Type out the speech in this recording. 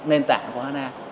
nền tảng của hana